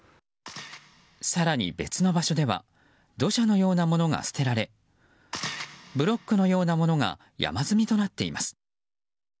更に別の場所では土砂のようなものが捨てられブロックのようなものが山積みとなっています。